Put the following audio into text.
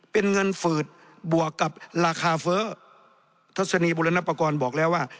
เป็นเงินฝืดบวกกับราคาเฟ้อทัศนีบุรณปกรณ์บอกแล้วว่า